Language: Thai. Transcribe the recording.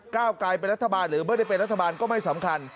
กลายเป็นรัฐบาลหรือไม่ได้เป็นรัฐบาลก็ไม่สำคัญ